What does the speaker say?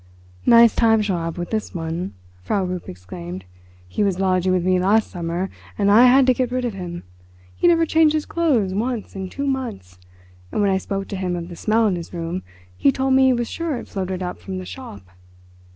"Nice time she'll have with this one," Frau Rupp exclaimed. "He was lodging with me last summer and I had to get rid of him. He never changed his clothes once in two months, and when I spoke to him of the smell in his room he told me he was sure it floated up from the shop.